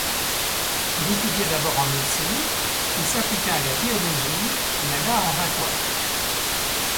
Il étudia d'abord en médecine, puis s'appliqua à la théologie et à l'art oratoire.